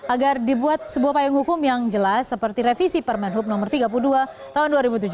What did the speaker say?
agar dibuat sebuah payung hukum yang jelas seperti revisi permen hub no tiga puluh dua tahun dua ribu tujuh belas